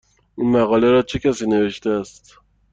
این مقاله را چه کسی نوشته است؟